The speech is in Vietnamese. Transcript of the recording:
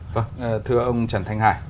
vâng thưa ông trần thanh hải